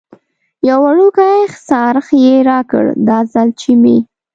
یو وړوکی څرخ یې راکړ، دا ځل چې مې.